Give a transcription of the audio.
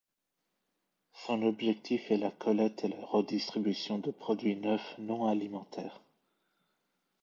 Son objectif est la collecte et la redistribution de produits neufs non alimentaires.